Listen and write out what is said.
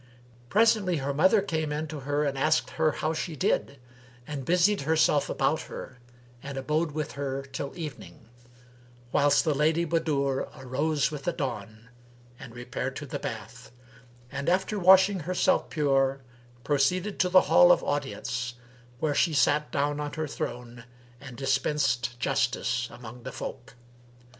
Presently her mother came in to her and asked her how she did and busied herself about her and abode with her till evening; whilst the Lady Budur arose with the dawn, and repaired to the bath and, after washing herself pure, proceeded to the hall of audience, where she sat down on her throne and dispensed justice among the folk.